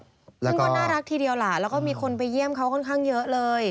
ซึ่งก็น่ารักทีเดียวล่ะแล้วก็มีคนไปเยี่ยมเขาค่อนข้างเยอะเลย